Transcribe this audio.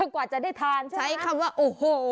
กว่าจะได้ทานใช้คำว่าโอ้โห